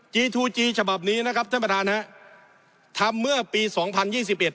จีทูจีฉบับนี้นะครับท่านประธานฮะทำเมื่อปีสองพันยี่สิบเอ็ด